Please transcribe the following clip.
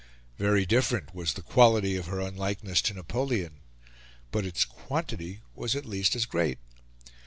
Very different was the quality of her unlikeness to Napoleon; but its quantity was at least as great.